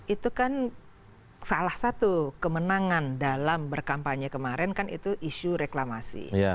itu kan salah satu kemenangan dalam berkampanye kemarin kan itu isu reklamasi